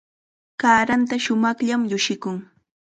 Kaaranta shumaqllam llushikun.